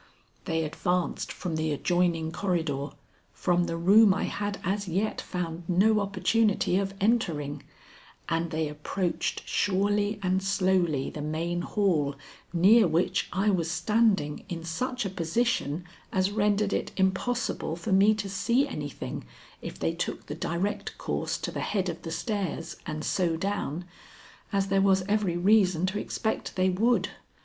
They advanced from the adjoining corridor, from the room I had as yet found no opportunity of entering, and they approached surely and slowly the main hall near which I was standing in such a position as rendered it impossible for me to see anything if they took the direct course to the head of the stairs and so down, as there was every reason to expect they would.